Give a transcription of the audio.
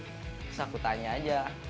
terus aku tanya aja